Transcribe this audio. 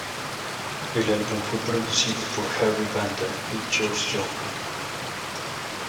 El álbum fue producido por Harry Vanda y George Young.